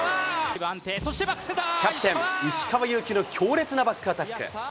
キャプテン、石川選手の強烈なバックアタック。